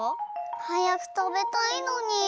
はやくたべたいのに！